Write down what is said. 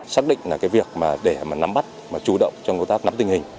xác định là việc để nắm bắt chủ động trong công tác nắm tình hình